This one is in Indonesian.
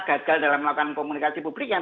gagal dalam melakukan komunikasi publik yang